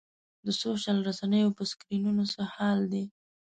دا سوشل رسنیو په سکرینونو څه حال دی.